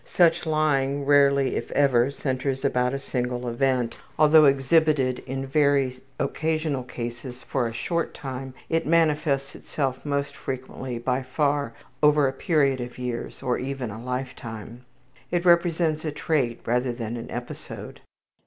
Such lying rarely, if ever, centers about a single event; although exhibited in very occasional cases for a short time, it manifests itself most frequently by far over a period of years, or even a life time. It represents a trait rather than an episode.